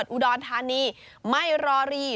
อุดรธานีไม่รอรี